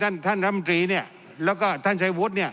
ท่านท่านรัฐมนตรีเนี่ยแล้วก็ท่านชัยวุฒิเนี่ย